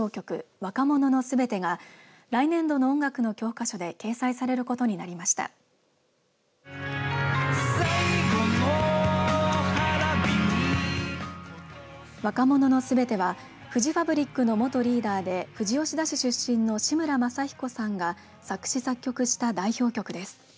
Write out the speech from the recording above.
若者のすべてはフジファブリックの元リーダーで富士吉田市出身の志村正彦さんが作詞、作曲した代表曲です。